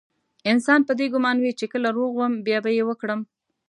انسان په دې ګمان وي چې کله روغ وم بيا به يې وکړم.